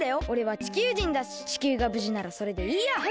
おれは地球人だし地球がぶじならそれでいいや！